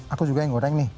aku juga yang goreng nih